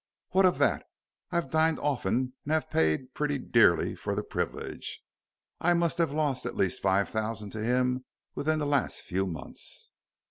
"What of that. I've dined often and have paid pretty dearly for the privilege. I must have lost at least five thousand to him within the last few months."